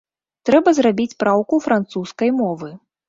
Трэба зрабіць праўку французскай мовы.